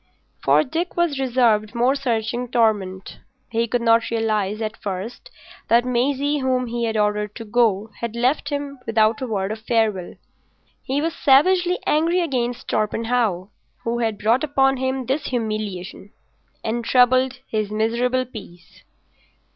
For Dick was reserved more searching torment. He could not realise at first that Maisie, whom he had ordered to go had left him without a word of farewell. He was savagely angry against Torpenhow, who had brought upon him this humiliation and troubled his miserable peace.